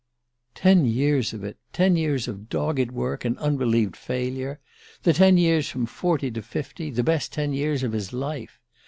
Ten years of it ten years of dogged work and unrelieved failure. The ten years from forty to fifty the best ten years of his life!